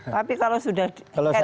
tapi kalau sudah head to head